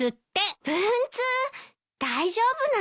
大丈夫なの？